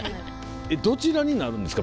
どちらになるんですか？